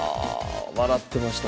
笑ってました